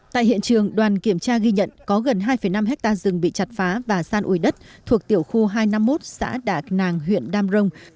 tại hiện trường đoàn kiểm tra ghi nhận có gần hai năm hectare rừng bị chặt phá và san uổi đất thuộc tiểu khu hai trăm năm mươi một xã đạ căn nàng huyện đam rông